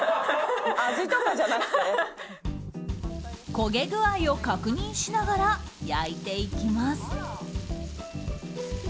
焦げ具合を確認しながら焼いていきます。